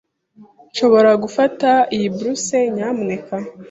Nshobora gufata iyi blouse, nyamuneka?